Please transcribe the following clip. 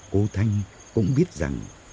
cô thanh cũng biết rằng